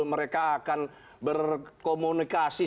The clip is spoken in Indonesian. mereka akan berkomunikasi